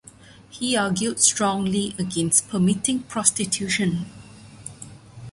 He argued strongly against permitting prostitution.